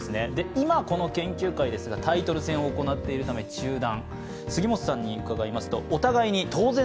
今、この研究会ですがタイトル戦を行っているため中断。